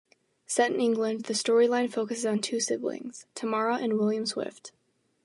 Set in England, the storyline focuses on two siblings, Tamara and William Swift.